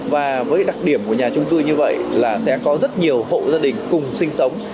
và với đặc điểm của nhà trung cư như vậy là sẽ có rất nhiều hộ gia đình cùng sinh sống